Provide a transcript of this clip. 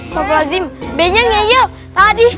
sobri adzim bingung ya yuk tadi